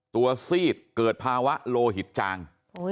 ซีดเกิดภาวะโลหิตจาง